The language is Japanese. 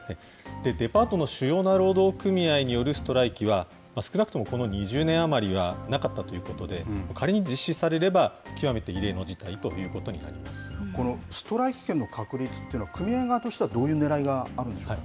デパートの主要な労働組合によるストライキは、少なくともこの２０年余りはなかったということで、仮に実施されれば、極めて異例のこのストライキ権の確立っていうのは、組合側としてはどういうねらいがあるんでしょうか。